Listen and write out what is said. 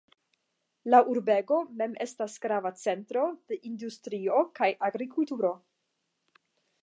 La urbego mem estas grava centro de industrio kaj agrikulturo.